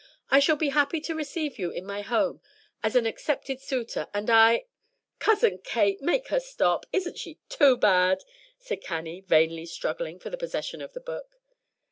I shall be happy to receive you in my home as an accepted suitor, and I '" "Cousin Kate, make her stop isn't she too bad?" said Cannie, vainly struggling for the possession of the book.